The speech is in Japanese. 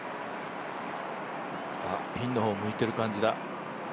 ピンの方を向いてる感じだ。